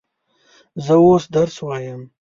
زه اوس درس وایم.